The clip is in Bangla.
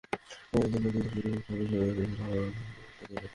সঞ্চালক দুই ধরনের ক্রিকেটের অভিষেকেই তাঁর ম্যাচসেরা হওয়ার অনুভূতি জানতে চাইলেন।